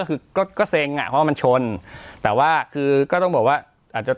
ก็คือก็ก็เซ็งอ่ะเพราะว่ามันชนแต่ว่าคือก็ต้องบอกว่าอาจจะ